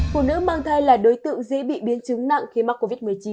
phụ nữ mang thai là đối tượng dễ bị biến chứng nặng khi mắc covid một mươi chín